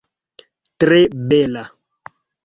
Tre bela!